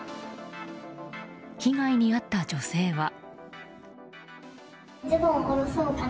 被害に遭った女性は。